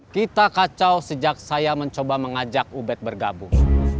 kita kacau sejak saya mencoba mengajak ubed bergabung